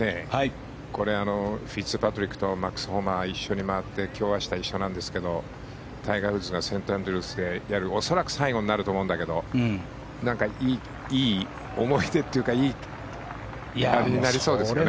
これ、フィッツパトリックとマックス・ホマが一緒に回って今日明日一緒なんですけどタイガー・ウッズがセントアンドリュースでやる恐らく最後になると思うんだけどいい思い出というかいいあれになりそうですよね。